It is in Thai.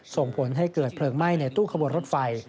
ส่งผลให้เกิดเพลิงไหม้ในตู้ขบวนรถไฟ